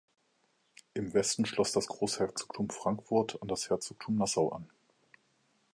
Im Westen schloss das Großherzogtum Frankfurt an das Herzogtum Nassau an.